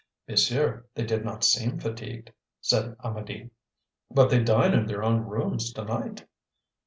"Monsieur, they did not seem fatigued," said Amedee. "But they dine in their own rooms to night."